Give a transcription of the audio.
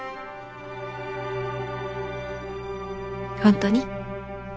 本当に？